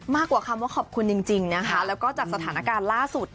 กว่าคำว่าขอบคุณจริงนะคะแล้วก็จากสถานการณ์ล่าสุด